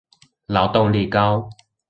勞動力高